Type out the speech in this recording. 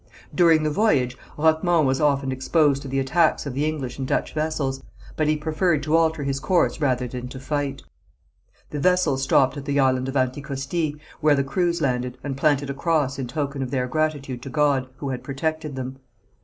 During the voyage Roquemont was often exposed to the attacks of the English and Dutch vessels, but he preferred to alter his course rather than to fight. The vessels stopped at the Island of Anticosti, where the crews landed, and planted a cross in token of their gratitude to God, who had protected them.